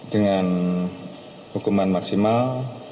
dengan hukuman maksimal dua belas lima belas